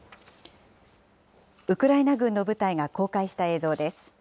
ウクライナ軍の部隊が公開した映像です。